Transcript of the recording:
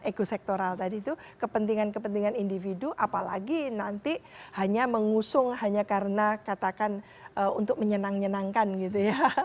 ekosektoral tadi itu kepentingan kepentingan individu apalagi nanti hanya mengusung hanya karena katakan untuk menyenang nyenangkan gitu ya